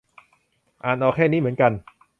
อ่านออกแค่นี้เหมือนกัน